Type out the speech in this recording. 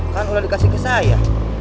kan udah dikasih ke saya